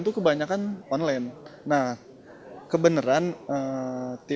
aku kena taruh keima sisa tim maju hari